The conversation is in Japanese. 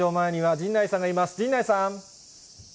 陣内さん。